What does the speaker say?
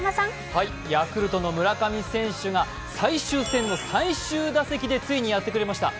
ヤクルトの村上選手が最終戦の最終打席でついにやってくれました。